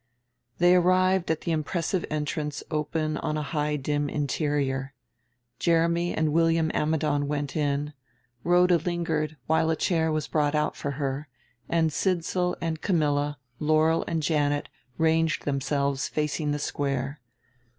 They arrived at the impressive entrance open on a high dim interior. Jeremy and William Ammidon went in, Rhoda lingered while a chair was brought for her, and Sidsall and Camilla, Laurel and Janet ranged themselves facing the Square.